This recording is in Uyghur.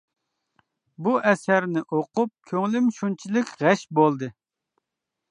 بۇ ئەسەرنى ئوقۇپ كۆڭلۈم شۇنچىلىك غەش بولدى.